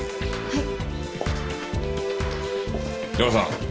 はい。